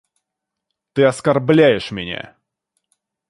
Ты оскорбляешь меня.